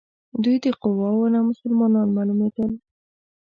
دوی د قوارو نه مسلمانان معلومېدل.